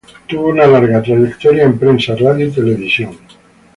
Tuvo una larga trayectoria en prensa, radio y televisión.